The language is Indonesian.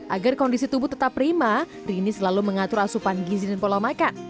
agar kondisi tubuh tetap prima rini selalu mengatur asupan gizi dan pola makan